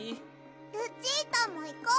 ・ルチータもいこう！